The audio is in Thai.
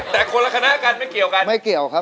แต่คนละคณะกันไม่เกี่ยวกัน